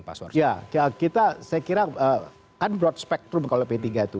saya kira kan broad spektrum kalau p tiga itu